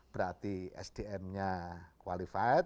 berarti sdm nya qualified